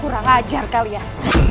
kurang ajar kalian